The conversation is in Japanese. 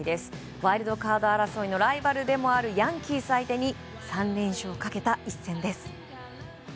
ワイルドカード争いのライバルでもあるヤンキース相手に３連勝をかけた一戦です。